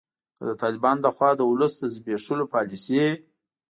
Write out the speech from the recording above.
که د طالبانو لخوا د ولس د زبیښولو پالسي